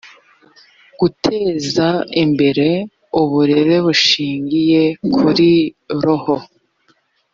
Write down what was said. guteza imbere uburere bushingiye kuri roho